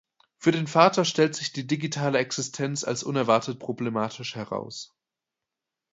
Für den Vater stellt sich die digitale Existenz als unerwartet problematisch heraus.